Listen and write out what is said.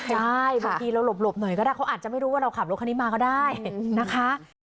ใช่บางทีเราหลบหน่อยก็ได้เขาอาจจะไม่รู้ว่าเราขับรถคันนี้มาก็ได้นะคะ